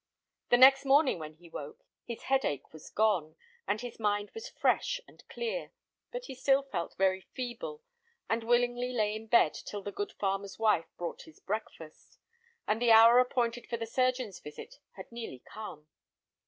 The next morning when he woke his headache was gone, and his mind was fresh and clear, but he still felt very feeble, and willingly lay in bed till the good farmer's wife brought his breakfast, and the hour appointed for the surgeon's visit had nearly come.